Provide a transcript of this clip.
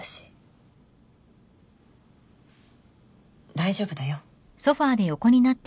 大丈夫だよ。